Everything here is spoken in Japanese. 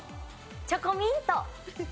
チョコミント。